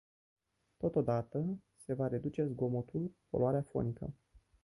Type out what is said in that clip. Totodată, se va reduce zgomotul, poluarea fonică.